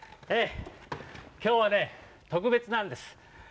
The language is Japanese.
きょうはねとくべつなんです。